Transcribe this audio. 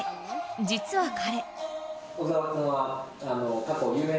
実は彼。